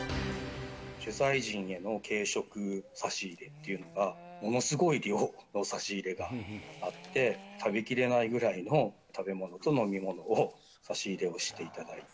取材陣への軽食の差し入れというのが、ものすごい量の差し入れがあって、食べきれないぐらいの食べ物と飲み物を差し入れしていただいて。